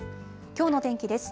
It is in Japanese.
きょうの天気です。